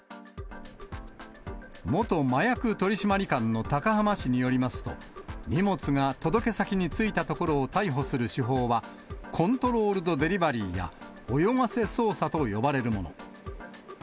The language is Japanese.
元麻薬取締官の高濱氏によりますと、荷物が届け先に着いたところを逮捕する手法は、コントロールド・デリバリーや泳がせ捜査と呼ばれるもの。